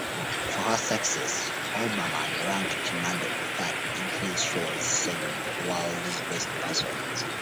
For her success, Olbermann ranked Maddow third in his show's segment "World's Best Persons".